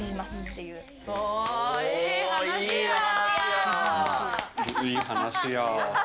いい話や！